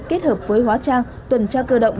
kết hợp với hóa trang tuần tra cơ động